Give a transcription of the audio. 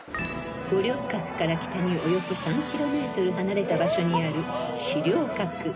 ［五稜郭から北におよそ３ｋｍ離れた場所にある四稜郭］